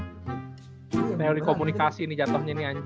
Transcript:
nah ini komunikasi nih jatohnya nih anjo